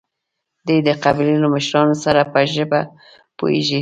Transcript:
دی د قبيلو له مشرانو سره په ژبه پوهېږي.